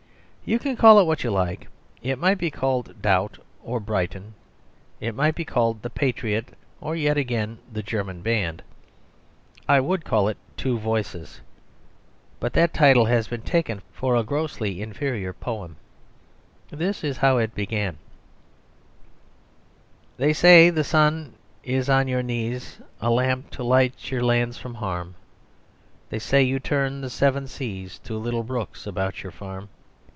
You can call it what you like. It might be called "Doubt," or "Brighton." It might be called "The Patriot," or yet again "The German Band." I would call it "The Two Voices," but that title has been taken for a grossly inferior poem. This is how it began "They say the sun is on your knees A lamp to light your lands from harm, They say you turn the seven seas To little brooks about your farm.